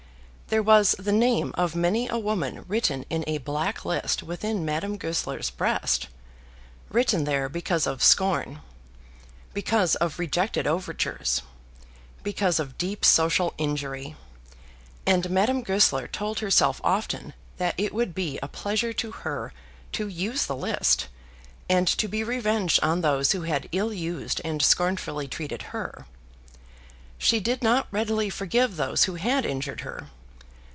There was the name of many a woman written in a black list within Madame Goesler's breast, written there because of scorn, because of rejected overtures, because of deep social injury; and Madame Goesler told herself often that it would be a pleasure to her to use the list, and to be revenged on those who had ill used and scornfully treated her. She did not readily forgive those who had injured her.